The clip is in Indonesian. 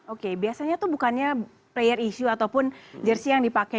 oke biasanya itu bukannya player issue ataupun jersi yang dipakai